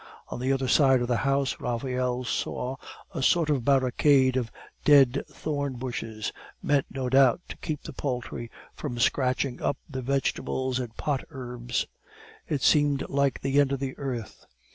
On the other side of the house Raphael saw a sort of barricade of dead thorn bushes, meant no doubt to keep the poultry from scratching up the vegetables and pot herbs. It seemed like the end of the earth.